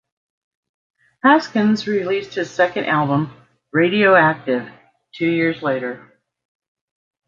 Haskins released his second album, "Radio Active", two years later.